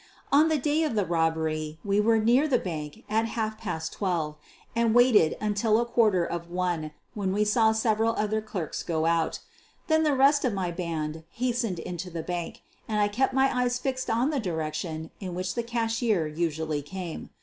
On the day of the robbery we were near the bank at half past twelve, and waited till a quarter of one, when we saw several other clerks go out. Then 182 SOPHIE LYONS the rest of my band hastened into the bank, and I kept my eyes fixed on the direction in which the cashier usually came.